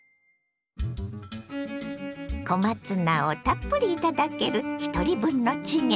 小松菜をたっぷり頂けるひとり分のチゲ。